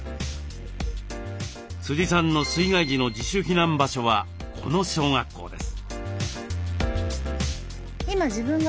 さんの水害時の自主避難場所はこの小学校です。